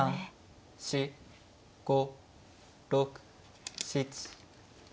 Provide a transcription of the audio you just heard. ４５６７。